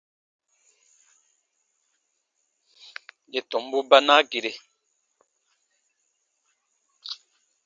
Yè tɔmbu ba naa gire.